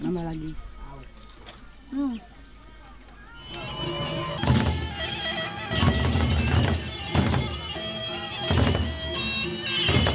janganlah kita simpanlah